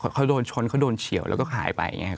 เขาโดนชนเขาโดนเฉียวแล้วก็หายไป